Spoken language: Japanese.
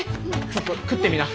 ちょっと食ってみな。